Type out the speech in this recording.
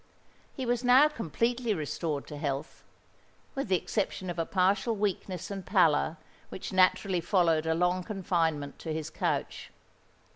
He was now completely restored to health—with the exception of a partial weakness and pallor which naturally followed a long confinement to his couch.